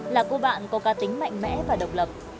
là cô bạn có ca tính mạnh mẽ và độc lập